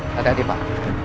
ada tadi pak